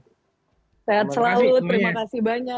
sehat selalu terima kasih banyak